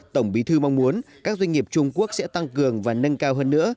tổng bí thư mong muốn các doanh nghiệp trung quốc sẽ tăng cường và nâng cao hơn nữa